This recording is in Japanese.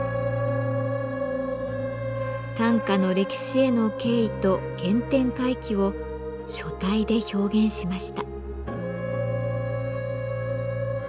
短歌の歴史への敬意と原点回帰を書体で表現しました。